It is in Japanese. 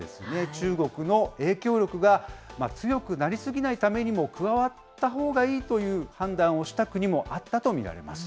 中国の影響力が強くなり過ぎないためにも加わったほうがいいという判断をした国もあったと見られます。